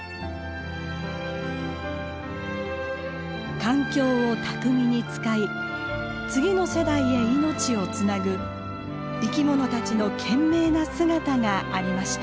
環境を巧みに使い次の世代へ命をつなぐ生き物たちの懸命な姿がありました。